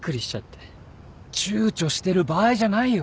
ちゅうちょしてる場合じゃないよ！